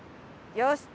よし！